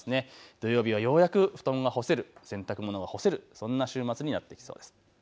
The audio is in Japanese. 土曜日はようやく布団が干せる、洗濯物が干せる、そんな週末になってきそうです。